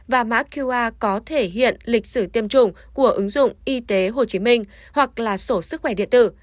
và mã qr có thể hiện lịch sử tiêm chủng của ứng dụng y tế hồ chí minh hoặc là sổ sức khỏe điện tử